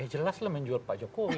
jelas lah menjual pak jokowi